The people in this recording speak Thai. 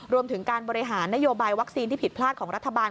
รวมถึงการบริหารนโยบายวัคซีนที่ผิดพลาดของรัฐบาล